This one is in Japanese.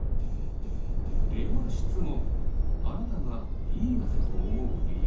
では質問。